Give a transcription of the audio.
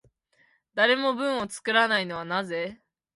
誰も文を作らないのはなぜ？